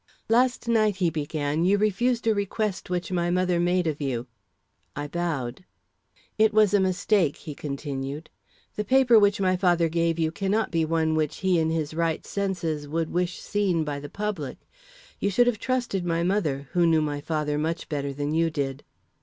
"Last night," he began, "you refused a request which my mother made of you." I bowed. "It was a mistake," he continued. "The paper which my father gave you cannot be one which he in his right senses would wish seen by the public. You should have trusted my mother, who knew my father much better than you did."